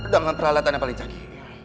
dengan peralatan yang paling canggih